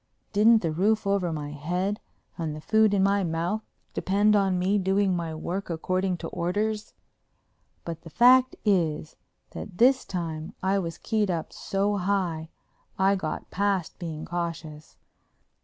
Didn't the roof over my head and the food in my mouth depend on me doing my work according to orders? But the fact is that at this time I was keyed up so high I'd got past being cautious.